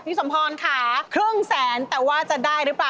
สมพรค่ะครึ่งแสนแต่ว่าจะได้หรือเปล่า